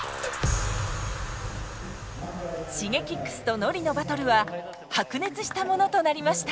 ＳｈｉｇｅｋｉｘとＮＯＲＩのバトルは白熱したものとなりました。